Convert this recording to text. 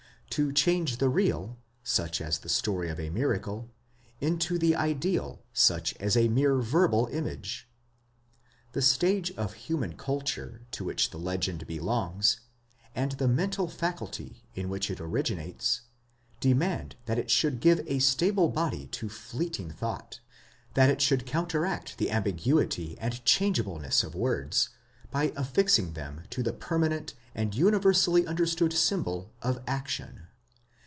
to change the real, such as the story of a miracle, into the ideal, such as a mere verbal image? The stage of human culture to which the legend belongs, and the mental faculty in which it originates, demand that it should give a stable body to fleeting thought, that it should counteract the ambiguity and changeableness of words, by affixing them to the permanent and universally understood symbol of action.